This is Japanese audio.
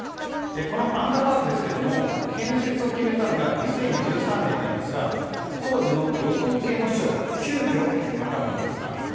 アンカパークですが建設を決めたのが２０１３年なんですが当時の与党系の市長が急きょ決めたものでした。